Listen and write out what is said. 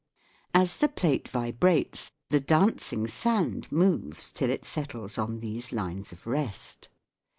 As the plate vibrates the dancing sand moves till it settles on these lines of rest.